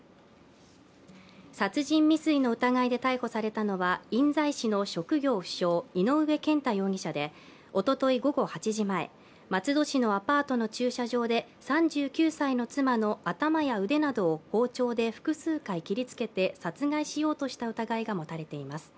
殺人未遂の疑いで逮捕されたのは印西市の職業不詳、井上健太容疑者で、おととい午後８時前、松戸市のアパートの駐車場で、３９歳の妻の頭や腕などを包丁で複数回切りつけて殺害しようとした疑いが持たれています。